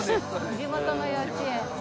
地元の幼稚園。